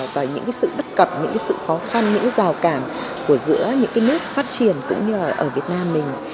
và những cái sự đất cập những cái sự khó khăn những cái rào cản của giữa những cái nước phát triển cũng như ở việt nam mình